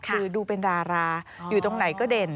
คือดูเป็นดาราอยู่ตรงไหนก็เด่น